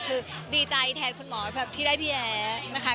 คือดีใจแทนคุณหมอแบบที่ได้พี่แอนะคะ